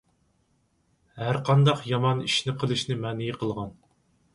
ھەر قانداق يامان ئىشنى قىلىشنى مەنئى قىلغان.